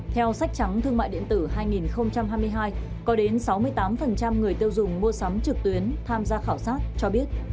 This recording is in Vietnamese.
theo sách trắng thương mại điện tử hai nghìn hai mươi hai có đến sáu mươi tám người tiêu dùng mua sắm trực tuyến tham gia khảo sát cho biết